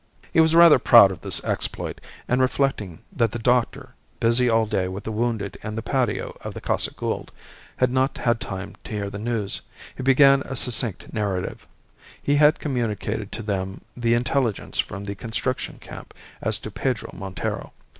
He was rather proud of this exploit; and reflecting that the doctor, busy all day with the wounded in the patio of the Casa Gould, had not had time to hear the news, he began a succinct narrative. He had communicated to them the intelligence from the Construction Camp as to Pedro Montero.